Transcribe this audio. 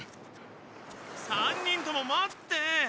３人とも待って。